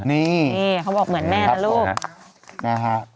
นี่เขาบอกเหมือนแม่นะลูกนะฮะ